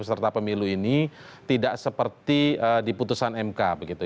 peserta pemilu ini tidak seperti di putusan mk begitu